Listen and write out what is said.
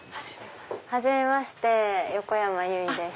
はじめまして横山由依です。